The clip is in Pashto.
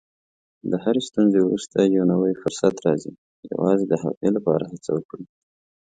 د هرې ستونزې وروسته یو نوی فرصت راځي، یوازې د هغې لپاره هڅه وکړئ.